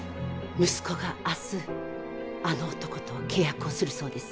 息子が明日あの男と契約をするそうです。